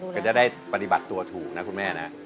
ก็จะได้ปฏิบัติตัวถูกนะคุณแม่นะ